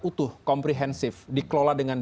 utuh komprehensif dikelola dengan